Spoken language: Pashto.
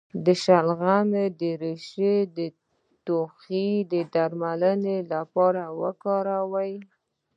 د شلغم ریښه د ټوخي د درملنې لپاره وکاروئ